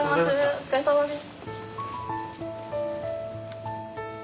お疲れさまです。